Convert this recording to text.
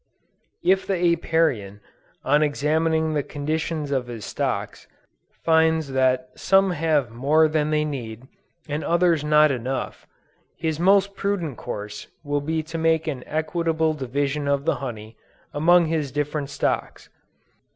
If the Apiarian, on examining the condition of his stocks, finds that some have more than they need, and others not enough, his most prudent course will be to make an equitable division of the honey, among his different stocks.